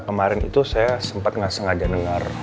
kemarin itu saya sempat nggak sengaja dengar